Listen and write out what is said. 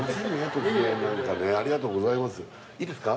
突然なんかねありがとうございますいいですか？